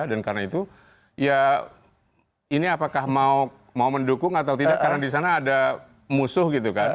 karena itu ya ini apakah mau mendukung atau tidak karena di sana ada musuh gitu kan